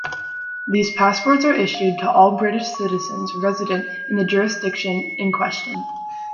These passports are issued to all British citizens resident in the jurisdiction in question.